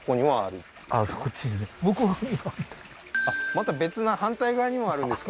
また別な反対側にもあるんですか？